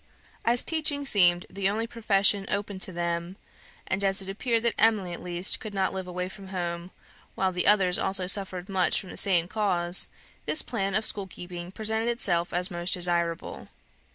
As teaching seemed the only profession open to them, and as it appeared that Emily at least could not live away from home, while the others also suffered much from the same cause, this plan of school keeping presented itself as most desirable.